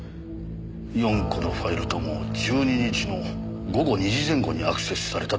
４個のファイルとも１２日の午後２時前後にアクセスされたとあります。